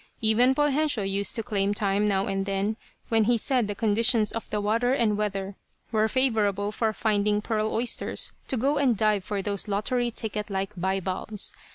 Even Poljensio used to claim time, now and then, when he said the conditions of the water and weather were favorable for finding pearl oysters, to go and dive for those lottery ticket like bivalves.